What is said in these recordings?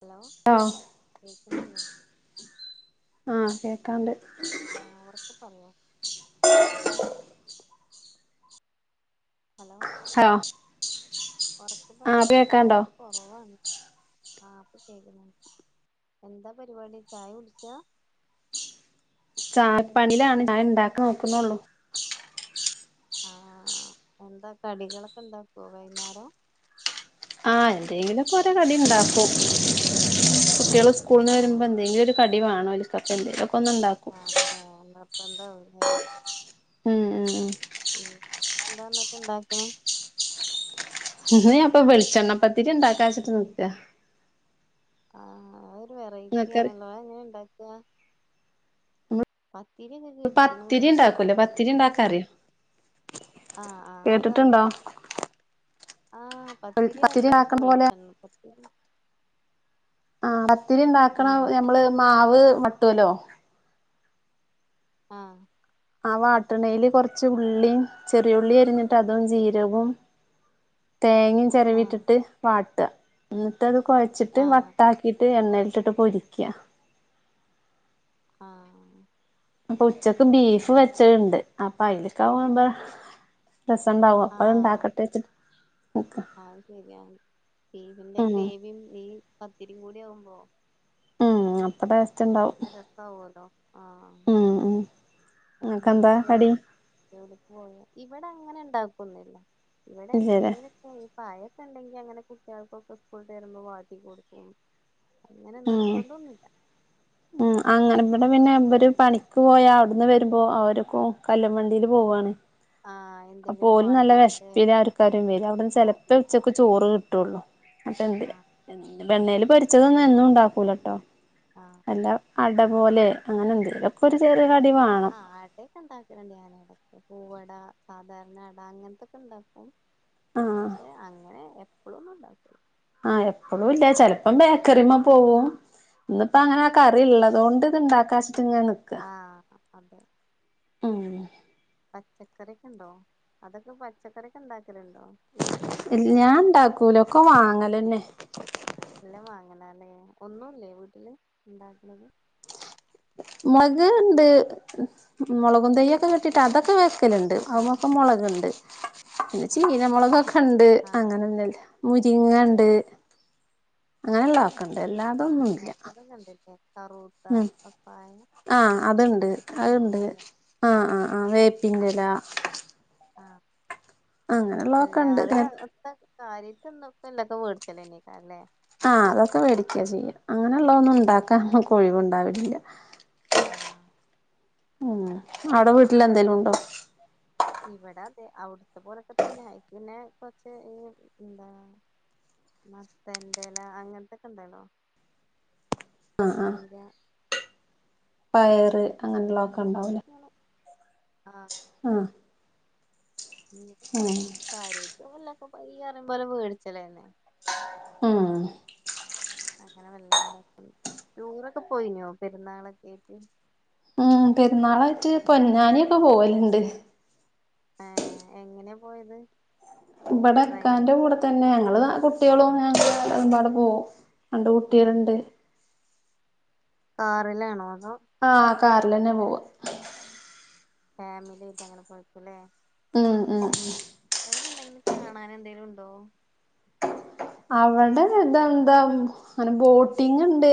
Hello കേൾക്ക്ന്നില്ലേ? ആ കേക്കാണ്ട്. ആ ഉറക്കെ പറയുവോ? ഹലോ [unintelligible] ഉറക്കെ ആഹ് ഇപ്പ പറയുവോ? കേക്കാണ്ടോ സൗണ്ട് കൊറവാണ്. ആഇപ്പ കേക്കുന്നു. എന്താ പരിപാടി ചായ കുടിച്ചോ? ചായ പണിലാണ് ഞാൻ ഉണ്ടാക്കാൻ നോക്കുന്നുള്ളു. ആ എന്താ കടികളൊക്കെ ഉണ്ടാക്കുവോ വൈകുന്നേരം? ആ എന്തെങ്കിലും പോലെ കടി ഉണ്ടാക്കും കുട്ടികള് സ്കൂൾന്ന് ആ വരുമ്പോ എന്തെങ്കിലും ഒരു കടി വേണോലോ ഇതൊക്കെ ഒന്ന് ഉണ്ടാക്കും. എന്താ എ? ആ ആ ആ ഉം. എന്താന്നൊക്കെ ഉണ്ടാക്കണം. അപ്പൊ വെളിച്ചെണ്ണപ്പത്തിരി ഉണ്ടാക്കാച്ചിട്ട് നിക്ക. ആ അ ഒരു വെറൈറ്റി ഇങ്ങക്കറി ആണല്ലോ? എങ്ങനെ ഉണ്ടാക്കുക? പത്തിരിയൊക്കെ കേട്ടിക്കണ് പത്തിരി വെളിച്ചെണ്ണ ഉണ്ടാക്കൂല്ലേ. പത്തിരി ഉണ്ടാക്കാറിയോ? ആ ആ അതറിയാം. ആ പത്തിരി അറിയാം. ഇണ്ടാക്കണ പോലെ പക്ഷെവെളിച്ചണ്ണ പത്തിരി ആ പത്തിരി ഉണ്ടാക്കണ ആ ഞമ്മള് മാവ് മട്ടുവല്ലോ? ആ ആ വാട്ട്ണേല്ല് കൊറച്ച് ഉള്ളിയും ചെറിയുള്ളി അരിഞ്ഞിട്ട് അതും ജീരകവും തേങ്ങയും ആ ചിരവിട്ടിട്ട് വാട്ടുക എന്നിട്ട്ത് കുഴച്ചിട്ട് ആ വട്ടാക്കിയിട്ട് എണ്ണ ട്ടിട്ട് പോരിക്കയാ ആ അപ്പോ ഉച്ചക്ക് ബീഫ് അങ്ങനെ വെച്ചണ്ട് അപ്പൊ അതിലക്കെ പോകുമ്പ രസണ്ടാവും അത് ആഹ് ഇണ്ടാക്കട്ടെ വച്ച് അത് ശരിയാണ് ബീഫിൻ്റെ ഉം ഗ്രേവിയും ഈ പത്തിരി കൂടി ആവുമ്പോ ഉം അപ്പൊ ടേസ്റ്റ് ഉണ്ടാവും നല്ല രസ ആവുവല്ലോ ആ ഉം ഉം ഹസ്ബൻ്റ നിങ്ങക്കെന്താ ഒക്കെ കടി ജോലിക്ക് പോയോ ഇവിടെ അങ്ങനെ ഉണ്ടാക്കുന്നില്ല ഇവിടെ ഇല്ലല്ലേ എന്തേലെക്കെ കാലത്തെ ഉണ്ടെങ്കി അങ്ങനെ കുട്ടികൾക്കൊക്കെ സ്കൂള് വിട്ട് വരുമ്പോ വാക്കി കൊടുക്കും അങ്ങനെ ഉം നിർബന്ധന്നുമില്ല ഉം അങ്ങനെ ഇവിടെ പിന്നെ ഇവര് പണിക്ക് പോയാ അവിടുന്ന് വരുമ്പോ അവര് കല്ല് വണ്ടിയില് പോവുവാണ് ആഹ് അപ്പ എന്തെങ്കിലും ഓലും നല്ല വാണ്ടിട്ട്ല്ലേ വിഷപ്പില്ലായിരിക്കും വരിക അവിടുന്ന് ആഹ് ചെലപ്പോ അതെ. ഉച്ചക്ക് ചോറ് കിട്ടുള്ളു അപ്പം എന്തിര് ആഹ് വെണ്ണയിൽ പൊരിച്ചതൊന്നും എന്നും ഉണ്ടാക്കൂലട്ടോ അല്ല അട പോലെ അങ്ങനെ എന്തേലൊക്കെ ആ ഒരു ആ് ചെറിയ കടി വേണം ആ ആടക്കെ ഉണ്ടാക്കടണ്ട് ഞാന് ഇവിടെ പൂവട സാധാരണ അട അങ്ങനത്തൊക്കെ ഉണ്ടാക്കും ആഹ് പക്ഷെ അങ്ങനെ എപ്പള് ഒന്നും ഉണ്ടാകൂല ആ എപ്പഴും ഇല്ല ചെലപ്പം ബേക്കറിമ്മ പോവും ഇന്നിപ്പോ അങ്ങനെ ആ കറി ഉള്ളതുകൊണ്ട് ഇത് ഇണ്ടാ ആ അതെ ഉം പച്ചക്കറി ഒക്കെ ഉണ്ടോ അതൊക്കെ പച്ചക്കറി ഒക്കെ ഉണ്ട ഞാൻ ഉണ്ടാക്കൂല ഒക്കെ വാങ്ങല് തന്നെ എല്ലാം വാങ്ങണല്ലേ ഒന്നുല്ലേ വീട്ടില് ഉണ്ടാക്കല് മുളക് ഉണ്ട് മുളകും തെയ്ക്കെ വെച്ചിട്ട് അതൊക്കെ വ ആഹ് [unintelligible] മുളകുണ്ട് പിന്നെ ആഹ് ചീരമുളക് ഒക്കെ ഉണ്ട് ആഹ് അങ്ങന ഒന്നില്ല മുരിങ്ങ ഉണ്ട് അങ്ങനെയള്ള ഒക്കെണ്ട് അല്ലാതൊ ഒന്നുല്ല കറൂട്ട പപ്പായ ആ അത്ണ്ട് അങ്ങനത്തൊക്കെ അതുണ്ട് ഉണ്ടാവുല്ലേ ആ ആഹ് ആ ആ വേപ്പിന്റെ ഇല ആ അങ്ങനെയുള്ളതൊക്കെ ഉണ്ട് ആം കാര്യത്തിന്നൊക്കെ എന്തൊക്കെ മേടിച്ചല്ലോ എനീക്കാ അല്ലേ ആ അതൊക്കെ മേടിച്ച ചെയ്യാ അങ്ങനെയുള്ള ഒന്നും ഉണ്ടാക്കാൻ നമ്മുക്ക് ഒഴിവുണ്ടാവില്ല ആ മം അവിടെ വീട്ടില് എന്തേലും ഉണ്ടോ ഇവിടെ അതെ അവിടുത്തെ പോലൊക്കെ തന്നെയി പിന്നെ കൊറച്ച് ഏ എന്താ മത്തൻ തല അങ്ങനത്തെക്കെ ഉണ്ടല്ലോ ചീര പയറ് അങ്ങനെ അങ്ങനെയുള്ള ഒക്കെ കൊറച്ചൊക്കെ ഉണ്ടാവൂലേ ഇങ്ങനെ ആ മം കാര്യായിട്ട് ഒന്നുല്ല ഇപ്പം പയ്യ [unintelligible] ഇനം പോലെ മേടിച്ചലേ മം അങ്ങനെ വെല്ലാണ്ടാക്കുന്നു ടൂറൊക്കെ പോയിനോ പെരുന്നാളൊക്കെ ആയിട്ട് മം പെരുന്നാളായിട്ട് പൊന്നാനി ഒക്കെ പോവലുണ്ട് ഏ എങ്ങനെയാ പോയത് ഇവിടെ ട്രെയിൻ ഇക്കാന്റെ കൂടെ തന്നെ ഞങ്ങള് കുട്ടികളും ഞങ്ങള് എമ്പാടും പോവും രണ്ട് ആഹ് കുട്ടിയള്ണ്ട്. കാറിലാണോ അതോ ആ കാറിലെന്നെ പോവ ഫാമിലി ആയിട്ട് അങ്ങനെ പോയെക്കും ല്ലേ മം മം അവ്ടെന്തെങ്കിലും കാണാൻ എന്തേലും ഇണ്ടോ അവിടെത് ഇതെന്താ അങ്ങനെ ബോട്ടിംഗ്ണ്ട്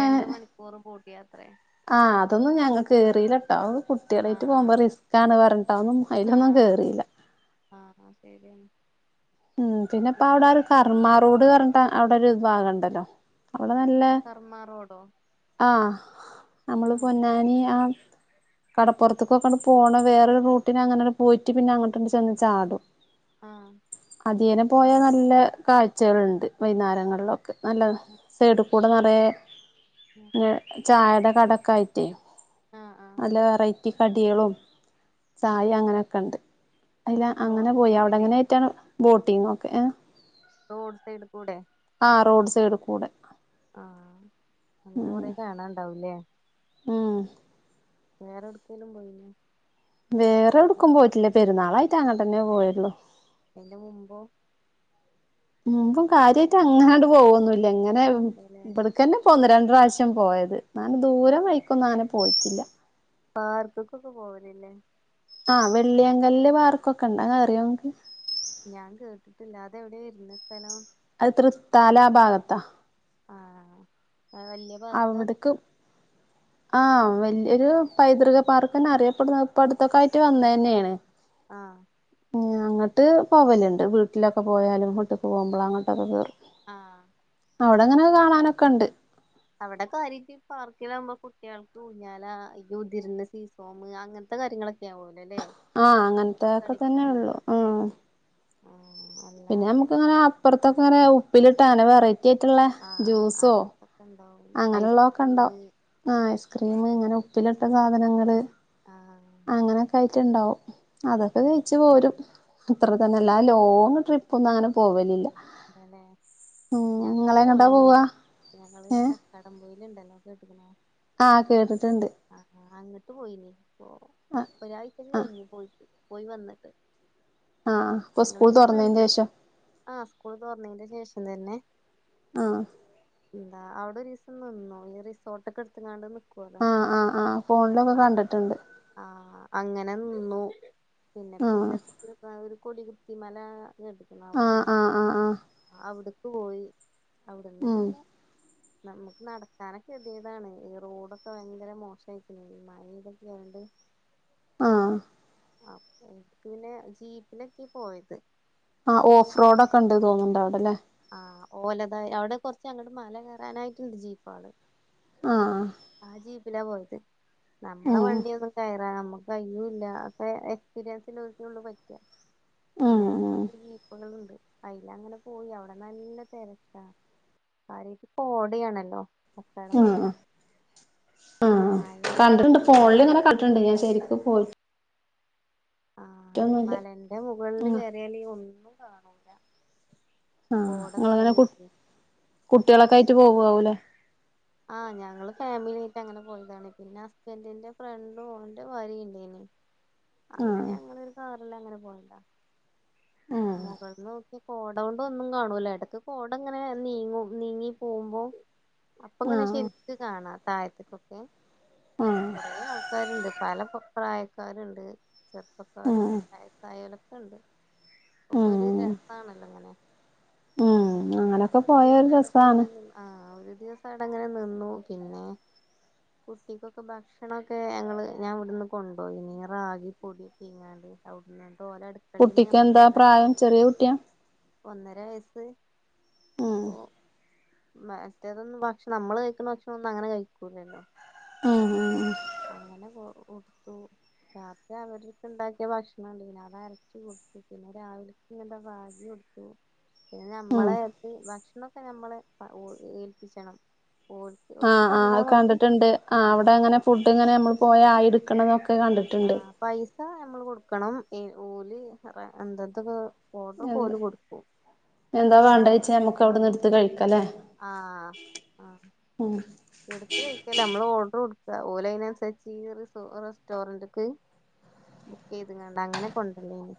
രണ്ട് മണിക്കൂറും ബോ ആ അതൊന്നും ഞങ്ങ ആഹ് കേറീല ട്ടോ അത് കുട്ടിയളേറ്റ് ആഹ് പോവുമ്പോ റിസ്ക്കാണ് പറഞ്ഞിട്ട് അതൊന്നും അയിലൊന്നും കേറീല്ല ആ ശെ മം പിന്നപ്പോ അവിടെ പിന്നെ ഒരു കർമ്മ റോഡ് പറഞ്ഞിട്ട് അ അവിടെ ഒരു ഭാഗണ്ടല്ലോ അവിടെ നല്ല കർമ്മ റോഡോ ആ നമ്മള് ആഹ് പൊന്നാനി ആ കടപ്പുറത്ത്ക്കൊക്കെ അങ്ങട്ട് പോണ വേറൊരു റൂട്ടിന് അങ്ങനാട്ട് പോയിട്ട് പിന്നെ അങ്ങോട്ട്ക്ക് ചെന്ന് ചാടും ആഹ് അതിലെ പോയ അവിടെ നല്ല കാഴ്ചകൾണ്ട് വൈന്നേരങ്ങളിലൊ ക്കെ നല്ലത സൈഡ് കൂടെ നിറയെ ഏ ചായേടെ കടേക്കായിട്ടേ ആഹ് ആഹ് നല്ല വെറൈറ്റി കടികളും ചായയും ആഹ് അങ്ങനൊക്കെണ്ട് അല്ല അങ്ങനെ റോഡ് പോയി സൈഡില് അവിടെങ്ങനെ ബോട്ടിംഗ് ഒക്കെയ റോഡ് സൈഡ് കൂടെ ആഹ് റോഡ് സൈഡ് കൂടെ ആ. അങ്ങനെ കൊറെ കാണാണ്ടാവുംല്ലേ മം വേറെട്ക്കേലും പോയിനിയോ വേറെ എവ്ടുക്കും പോയിട്ടില്ല. പെരുന്നാളായിട്ട് അങ്ങട്ടന്നെ പോയുള്ളു ഇതിന്റെ മുമ്പോ മുമ്പും കര്യായിട്ട് അങ്ങനാട്ട് പോവൊന്നുല്ല ഇങ്ങനെ പോലെ ഇവിടക്കന്നെപ്പോ ഒന്ന് ര ണ്ട് പ്രാവശ്യം പോയത് ഇന്നാലും ദൂര വൈക്കൊന്നും അങ്ങനെ പോയിട്ടില്ല പാർക്ക്ക്കൊക്കെ പോവലില്ലേ ആ വെള്ളിയങ്കല്ല് പാർക്കൊക്കെ ഇണ്ട് അതറിയോ ഞാൻ കേട്ടിട്ടില്ല അത് എവിടെ വരുന്ന സ്ഥലം അത് തൃത്താലാ ഭാഗത്ത ആ ഏ വല്ല്യ പാർക്ക ആ വല്ല്യ ഒരു പൈതൃക പാർക്ക്ന്ന് അറിയപ്പെടുന്നത് ഇപ്പ അടു ത്തൊക്കെ ആയിട്ട് ആഹ് വന്നെന്നെയാണ് ആഹ് മം അങ്ങട്ട് പോവല്ണ്ട് വീട്ടിലൊക്കെ പോയാലും വീട്ടുക്ക് പോവുമ്പളും അങ്ങോട്ടൊക്കെ കേറും. ആ അവിടങ്ങനെ കാണാനൊക്കെ ഇണ്ട് അവിടെ കാര്യായിട്ട് പാർക്കിലാവുമ്പോ കുട്ടികൾക്ക് ഊഞ്ഞാല, ഈ ഉതിരുന്ന സീസോമ് അങ്ങന ത്തെ കാര്യങ്ങളൊക്കെയാവോലോ. ആഹ് അങ്ങനത്തെ ഒക്കെ തന്നെ ഉള്ളൂ. കളിക്കാനുള്ളതൊക്കെ ഉം ആഹ് പിന്നെ അല്ലാതെ നമുക്ക് ഇങ്ങനെ അപ്പറത്തൊക്കെങ്ങനെ ഉപ്പിലിട്ട അങ്ങനെ വെറൈ ആഹ് ആഹ് അങ്ങനത്തൊക്കെണ്ടാവും. ഐസ്ക്രീമ് ആ ഐസ്ക്രീമ്, ഇങ്ങനെ ഉപ്പിലിട്ട സാധനങ്ങള് ആഹ് അങ്ങനെയൊക്കെ ആയിട്ട്ണ്ടാവും. അതൊക്കെ കഴിച്ച് പോരും. അത്ര തന്നെ അല്ലാതെ ലോങ് ട്രിപ്പ് ഒന്നും അങ്ങനെ പോവലില്ല. ഇല്ലല്ലേ ഉം ഞങ്ങള് നിങ്ങളെങ്ങട്ടാ പോയിനി. പോവാ ഞങ്ങള് ഏ കക്കാടം പൊയി ൽ ഇണ്ടല്ലോ കേട്ട്ക്ക്ന്നോ? ആഹ് കേട്ടിട്ട്ണ്ട്. ആ അങ്ങിട്ട് പോയിന് പ്പൊ ഒരാഴ്ച ആഹ് കഴിഞ്ഞു പോയിട്ട് പോയി വന്നിട്ട്. ആഹ് ഇപ്പൊ സ്കൂൾ തുറന്നതിന്റെ ശേഷം. ആഹ് സ്കൂൾ തോറന്നതിന്റെ ശേഷം തന്നെ. ആഹ്. എന്താ അവിടെ രീസം ന്നിന്നോ ഈ റിസോർട്ടക്കെ എടുത്ങാണ്ട് ആഹ് ആഹ് ആഹ് ഫോണിലൊക്കെ കണ്ടിട്ട്ണ്ട്. ആ അങ്ങനെ നിന്നു പിന്നെപ്പ ആഹ് ഇറ്റ ഒരു കൊടികുത്തിമല [unintelligible] ടിക്കണ ആഹ് അവിടെല്ലെ ആഹ് ആഹ് ആഹ് അവിട്‌ക്ക് പോയി അവിടന്ന് ഉം പിന്ന നമുക്ക് നടക്കനക്കെ കെതികേടാണ് ഈ റോഡൊക്കെ ഭയങ്കര മോശായിരിക്കുന്നു ഈ മഴക്കെ പെയ്തോണ്ട് ആഹ്. അപ്പൊ എനിക്ക് പിന്നെ ജീപ്പിലൊക്കെ പോയത്. ആഹ് ഓഫ് റോഡ് ഒക്കെണ്ട് തോന്നണ്ട അവിടെല്ലേ? ആ ഓലതായി അവിടെ കുറച്ച് അങ്ങോട്ട് മല കയറാനായിട്ടുണ്ട് ജീപ്പാൾ. ആഅ ആ ജീപ്പിലാ പോയത് നമ്മളെ ഉം വണ്ടിയൊന്നും കയറാ നമ്മക്ക് കയ്യൂല്ല അപ്പെ എക്സ്പ്പിറിയന്സ്ല്ല്ലോൽകെ ള്ളു പറ്റാ. ഉം പിന്നായിട്ട മക്കീപ്പകൾുണ്ട് അയിലങ്ങനെ പോയി അവിടെ നല്ല തിരക്ക ആരിയായിട്ട് കോടയാണല്ലോ. അക്കടം [inaudible] ആ കണ്ടിട്ടുണ്ട് പിന്നെ ഫോണിൽ ഇങ്ങനെ കണ്ടിട്ടുണ്ട് ഞാൻ ശരിക്കും പോയി ആ മലന്റെ മുകളിൽ ആഹ് കയറിയാല് ഒന്നും കാണൂല. ആ കോട നിങ്ങളങ്ങനെ കു നെറഞ്ഞിട്ട് കുട്ടികളൊക്കെ ആയിട്ട് പോവാവൂലെ? ആഹ് ഞങ്ങള് ഫാമിലി ആയിട്ട് അങ്ങനെ പോയതാണ് പിന്നെ ഹസ്ബന്റിന്റെ ഫ്രണ്ടും ഓന്റെ വാരി ഉണ്ടേനി. ആഹ് അങ്ങനെ അങ്ങ ഒരു കാറല്ലാം അങ്ങനെ പോയണ്ടാ ആഹ് മുകളൾന്ന് നോക്കിയ കോട കൊണ്ട് ഒന്നും കാണൂല്ല ഇടക്ക് കോട ഇങ്ങനെ നീങ്ങും നീങ്ങി പോകുമ്പോ അപ്പൊ ങ്ങനെ ആഹ് ശെരിക്ക് കാണാ താഴത്ത്ക്കൊക്കെ. ആഹ് കൊറേ ആൾക്കാരുണ്ട് പല പ്രായക്കാര്ണ്ട്. ഉം ചെറുപ്പക്കാരും വായസായോലൊക്കെണ്ട്. ഇപ്പൊക്കെ ഉം ഒരു രസാണല്ലോ അങ്ങനെ ഉം അങ്ങന അങ്ങനൊക്കെ ഒരു പോയ ദിവസം അവെടെ രസാണ് പോയി ആഹ് ഒരു ദിവസം അടക്കങ്ങനെ നിന്നു പിന്നെ. കുട്ടിക്കൊക്കെ ഭക്ഷണൊക്കെ ഞങ്ങള്ൾ ഞാൻ ഇവിടുന്ന് കൊണ്ടപോയിന്നു റാഗി പൊടിയൊക്കെ ഇങ്ങാണ്ട് ഓലെ അടുക്കളയിന്ന് കുട്ടിക്ക് നമ്മ എന്താ പ്രായം ചെറിയ കുട്ടിയ ഒന്നര വയസ്സ്. ആഹ് മ മറ്റേതൊന്നും ഭക്ഷണം നമ്മള് കഴിക്കുന്ന ഭക്ഷണം ഒന്നും അങ്ങനെ കഴിക്കൂലല്ലോ? ആഹ് ആ അങ്ങനെ കൊ കൊടുത്തു രാത്രി അവർക്ക് ണ്ടാക്കിയ ഭക്ഷണ ണ്ടീനു അത അരച്ച പിന്നെ രാവിലക്ക് എന്താ റാഗി കൊടുത്തു. പിന്നെ ഉം ഉം നമ്മളെത്ത് ഭക്ഷണൊക്കെ നമ്മള് ഏൽപ്പിച്ചണം. ഓൽക്ക് ഓലോട് ആഹ് പറഞ്ഞാ ആഹ് മതി കണ്ടിട്ടുണ്ട് ആ അവിടെ ആഹ് അങ്ങനെ ഫുഡ് ഇങ്ങനെ നമ്മൾ പോയ ആയിടുക്കണതൊക്കെ കണ്ടിട്ടുണ്ട് ആഹ് പൈസ നമ്മള് കൊടുക്കണം ഓല് എന്തെന്തൊക്കെ ഓഡർക്കെ എന്താ ഓല് കൊടുക്കും. എന്താ വേണ്ട നമ്മള് വച്ചാ പൈസ ഞമ്മക്ക് കൊടുക്കണംന്നോള്ളു അവിടന്ന്ട്‌ത്ത് കഴിക്കല്ലേ? ആഹ എടുത്ത് കഴിക്കല നമ്മള് ഓർഡർ ഓലൈനനുസരിച്ച് സ്റ്റോറന്റ് ബുക്ക് ചെയ്ത്ങ്ങാണ്ട് അങ്ങനെ കൊണ്ടർലെനി.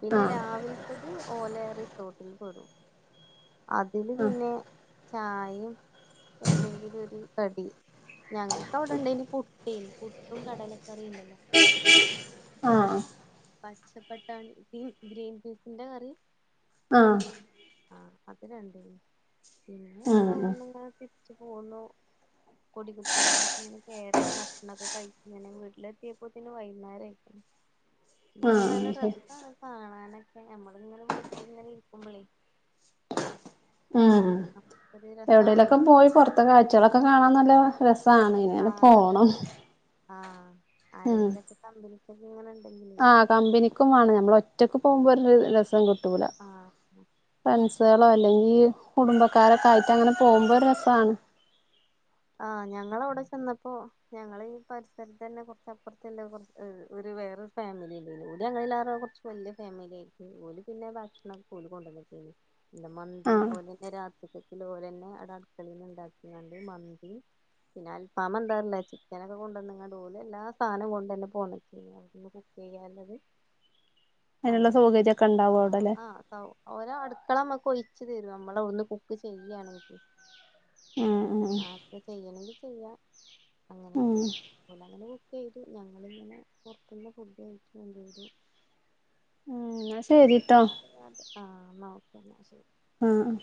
പിന്നെ ആഹ് രാവിലത്തത് ഓലെ റിസോർട്ടില് പെടും അതില് പിന്നെ ചായയും എന്തെങ്കിലും ഒരു കടി ഞങ്ങൾക്ക് അവിടെണ്ടനിം പുട്ടെനി പുട്ടും കടല ആഹ് പച്ചപ്പട്ടാണി ഗ്രീം ഗ്രീൻപിസിന്റെ കറീം ആഹ് ആഹ് അത് രണ്ടേനിം പിന്നെ ഉം ഞങ്ങളവിടുന്ന് ഇങ്ങനെ തിരിച്ചു പോന്നു കൊടികുത്തിമലക്കെ ഇങ്ങനെ കേറി ഭക്ഷണൊക്കെ കഴി ഇങ്ങനെ വീട്ടിലെത്തിയപ്പോ തന്നെ വൈന്നേരം ആയിക്കണ് എന്തായാലും നല്ല ആഹ് ശരി രസാണ് കാണാനൊക്കെ ഞമ്മള് [unintelligible] കുമളി ഉം ഒരു എവിടെലൊക്കെ രസാണല്ലോ പോയി പൊറത്തെ കാഴ്ചളൊക്കെ കാണാൻ നല്ല രസ ണ് ആ ഇങ്ങനെ നല്ല പോണം രസ ആഹ് ഉം ആരെങ്കിലൊക്കെ കമ്പനിക്കൊക്കെ ഇങ്ങനെണ്ടെങ്കി ആഹ് കമ്പനിക്കും വേണം ഞമ്മള് ഒറ്റക്ക് പോവുമ്പോ രസം കി ട്ടൂല ആഹ് ഫ്രൻഡ്സ് ത്താലോ അല്ലെങ്കി കുടുംബക്കാരൊക്കെ ആയിട്ട് അങ്ങനെ പോവുമ്പോ ഒരു രസാണ് ആഹ് ഞങ്ങളവടെ ചെന്നപ്പോ ഞങ്ങള് ഈ പരിസരത്തന്നെ കുറച്ചപ്പുറത്തെള്ള എ് ഒരു വേറൊരു ഫാമിലി ഇണ്ടേനു ഓല് ഞങ്ങളിലാറോ കുറച്ച് വല്ല്യ ഫാമിലി ആയിക്കും ഓല് പിന്നെ ഭക്ഷണം ക്കെ ഓല് കൊണ്ടനേ ന്ന് പിന്നെ മന്തി ആഹ് ഓലെന്നെ രാത്രി ത്തേക്ക്ള്ള ഓലെന്നെ അവടെ അടുക്കളേന്ന് ഇണ്ടാക്കിണ്ട് മന് [unintelligible] പിന്നെ അൽഫാമ എന്താറിയില്ല ചിക്കനൊക്കെ കൊണ്ടരണ് കണ്ട് ഓല് എല്ലാ സാനം കൊണ്ട്ന്നെ പോന്നക്കെ അവടന്ന് കുക്കിയ്യാ യാള്ളത് അതിനുള്ള അങ്ങ സൗകര്യൊക്കെ ഉണ്ടാവും ആഹ് അവിടെല്ലേ ആ സൗ ഓര അടുക്കള മ്മ്ക് കൊയിച്ചു തരും നമ്മളവടന്ന് കുക്ക് ചെയ്യാണങ്കി ഉം ഉം വേണങ്കി ചെയ്യ ഉം അങ്ങനെയൊക്കെ ഓലങ്ങനകു ക്കിയ്തു ഞങ്ങിങ്ങനെ പൊറത്തുന്ന് ഫുഡ് കഴിക്കും ചെയ്തു ഉം എന്നാ ശരിട്ടോ [unintelligible] ആഹ് ന്ന ഓക്ക ന്നാ ശരി ആഹ്